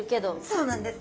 そうなんです。